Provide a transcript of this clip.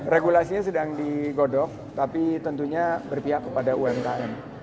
regulasinya sedang digodok tapi tentunya berpihak kepada umkm